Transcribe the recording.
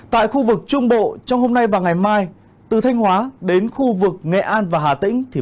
tại khu vực trung bộ trong hôm nay và ngày mai từ thanh hóa đến khu vực nghệ an và hà tĩnh